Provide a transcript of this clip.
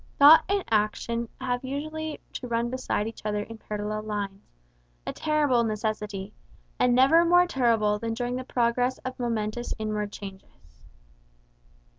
Thought and action have usually to run beside each other in parallel lines; a terrible necessity, and never more terrible than during the progress of momentous inward changes.